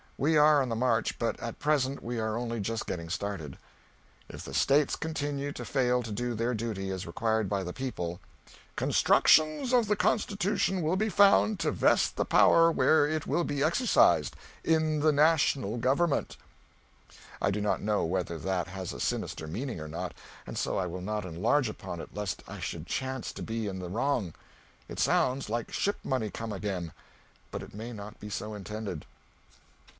We are on the march, but at present we are only just getting started. If the States continue to fail to do their duty as required by the people "... constructions of the Constitution will be found to vest the power where it will be exercised in the national government." I do not know whether that has a sinister meaning or not, and so I will not enlarge upon it lest I should chance to be in the wrong. It sounds like ship money come again, but it may not be so intended.